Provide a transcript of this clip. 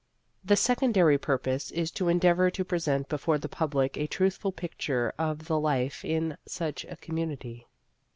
The secondary purpose is to endeavor to present before the public a truthful picture of the life in such a community.